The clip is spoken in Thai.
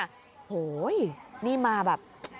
โอ้โหนี่มาแบบ